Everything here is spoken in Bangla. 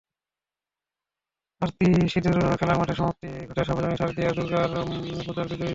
আরতি, সিঁদুর খেলার মাধ্যমে সমাপ্তি ঘটে সর্বজনীন শারদীয়া দুর্গা পূজার বিজয়া দশমী।